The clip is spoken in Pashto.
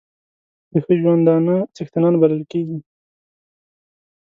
د ښه ژوندانه څښتنان بلل کېږي.